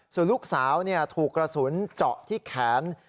ส่วนลูกสาวถูกกระสุนเจาะที่แขน